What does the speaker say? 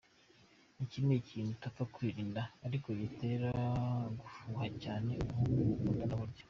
Iki ni ikintu utapfa kwirinda, ariko gitera gufuha cyane umuhungu mukundana burya.